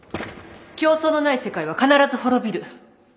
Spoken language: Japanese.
競争のない世界は必ず滅びる